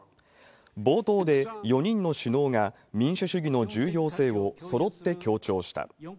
冒頭で４人の首脳が民主主義の重要性をそろって強調した。